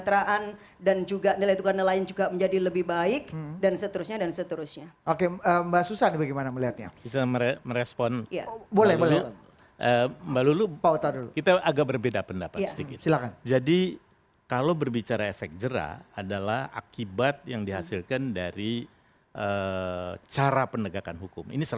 terima kasih ibu susi